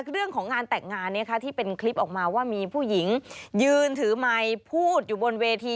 เรื่องของงานแต่งงานที่เป็นคลิปออกมาว่ามีผู้หญิงยืนถือไมค์พูดอยู่บนเวที